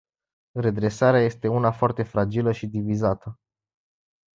Redresarea este una foarte fragilă și divizată.